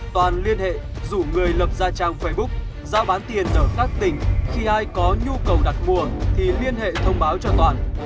toàn liên hệ rủ người lập ra trang facebook giao bán tiền ở các tỉnh khi ai có nhu cầu đặt mua thì liên hệ thông báo cho toàn